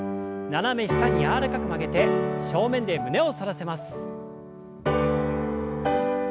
斜め下に柔らかく曲げて正面で胸を反らせます。